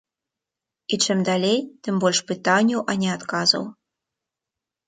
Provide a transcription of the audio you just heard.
І чым далей, тым больш пытанняў, а не адказаў.